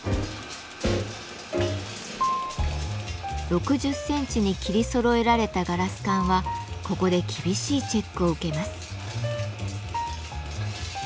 ６０センチに切りそろえられたガラス管はここで厳しいチェックを受けます。